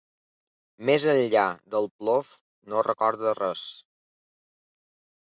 Més enllà del plof no recorda res.